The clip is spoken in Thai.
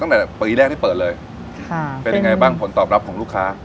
ตั้งแต่ปีแรกที่เปิดเลยค่ะเป็นยังไงบ้างผลตอบรับของลูกค้า